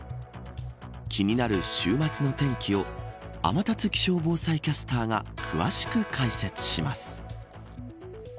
気になる週末の天気を天達気象防災キャスターが詳しく解説します。